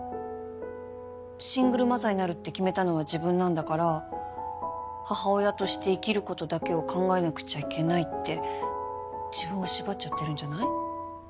シングルマザーになるって決めたのは自分なんだから母親として生きることだけを考えなくちゃいけないって自分を縛っちゃってるんじゃない？